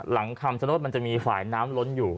หลังคอมสโน้ตมันจะมีฝ่ายน้ำร้นอยู่